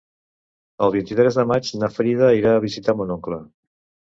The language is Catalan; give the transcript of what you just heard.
El vint-i-tres de maig na Frida irà a visitar mon oncle.